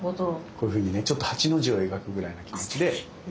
こういうふうにねちょっと８の字を描くぐらいな気持ちで。